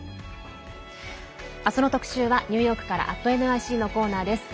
明日の特集はニューヨークから「＠ｎｙｃ」のコーナーです。